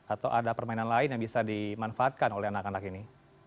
atau ada permainan lain yang bisa dimanfaatkan oleh anak anak ini